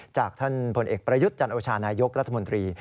จากท่านพลเอกประยุทธ์จันโอชานายกรัฐมนตรี